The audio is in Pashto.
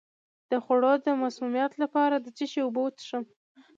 د خوړو د مسمومیت لپاره د څه شي اوبه وڅښم؟